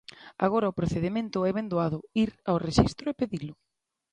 Agora o procedemento é ben doado: ir ao rexistro e pedilo.